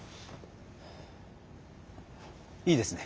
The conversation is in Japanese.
いいですね。